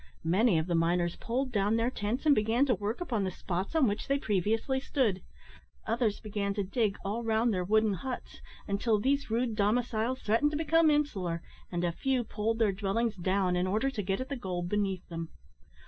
Many of the miners pulled down their tents, and began to work upon the spots on which they previously stood. Others began to dig all round their wooden huts, until these rude domiciles threatened to become insular, and a few pulled their dwellings down in order to get at the gold beneath them.